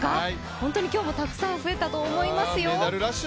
本当に今日もたくさん増えたと思いますよ。